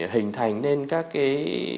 hình thành nên các cái